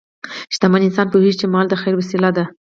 شتمن انسان پوهېږي چې مال د خیر وسیله ده.